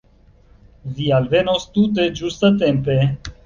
Vi alvenos tute ĝustatempe.